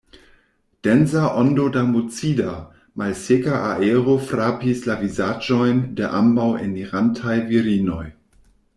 Densa ondo da mucida, malseka aero frapis la vizaĝojn de ambaŭ enirantaj virinoj.